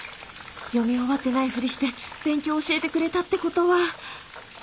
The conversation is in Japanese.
読み終わってないフリして勉強教えてくれたってことは。